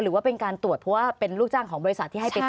หรือว่าเป็นการตรวจเพราะว่าเป็นลูกจ้างของบริษัทที่ให้เป็น